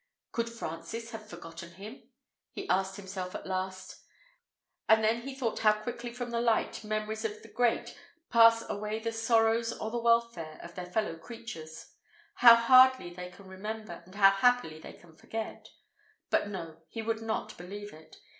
Could Francis have forgotten him? he asked himself, at last; and then he thought how quickly from the light memories of the great pass away the sorrows or the welfare of their fellow creatures; how hardly they can remember, and how happily they can forget. But no, he would not believe it.